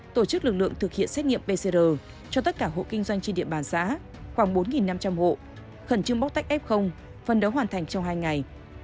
tổ chức lực lượng thực hiện xét nghiệm pcr cho tất cả hộ kinh doanh trên địa bàn xã khoảng bốn năm trăm linh hộ khẩn trương bóc tách f phân đấu hoàn thành trong hai ngày